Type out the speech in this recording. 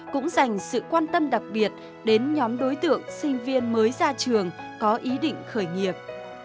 cũng dành sự quan tâm đặc biệt đến nhóm đối tượng sinh viên mới ra trường có ý định khởi nghiệp